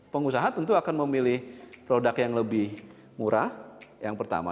pengusaha tentu akan memilih produk yang lebih murah yang pertama